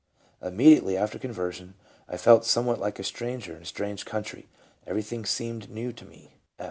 " Immediately after conversion I felt somewhat like a stranger in a strange country; everything seemed new to me."